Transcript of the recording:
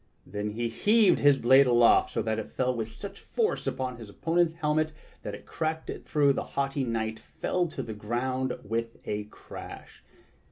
Then he heaved his blade aloft so that it fell with such force upon his opponent's helmet that it cracked it through and the haughty knight fell to the ground with a crash.